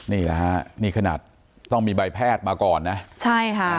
นี่แหละฮะนี่ขนาดต้องมีใบแพทย์มาก่อนนะใช่ค่ะ